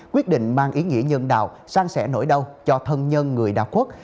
quyết định mang ý nghĩa nhân đạo sang sẻ nỗi đau cho thân nhân người đa quốc